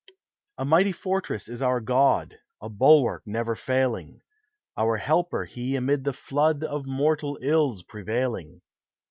A mighty fortress is our God, A bulwark never failing; Our helper he amid the flood Of mortal ills prevailing.